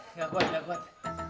nggak kuat nggak kuat